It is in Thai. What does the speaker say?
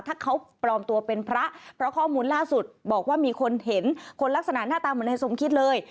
ถ้าเขาปลอมตัวเป็นพระเพราะข้อมูลล่าสุดบอกว่ามีคนเห็นคนลักษณะหน้าตาเหมือนนายสมคิดเลย